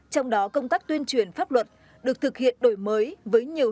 trong đó công tác tuyên truyền pháp luật được thực hiện đổi mới với nhiều hiệu quả